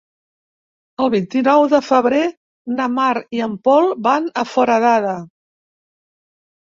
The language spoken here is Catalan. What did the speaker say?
El vint-i-nou de febrer na Mar i en Pol van a Foradada.